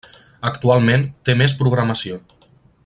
Actualment té més programació.